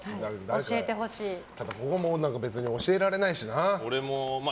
ただ、ここも別に教えられないしな。